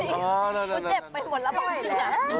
ใช่เจ็บไปหมดแล้ว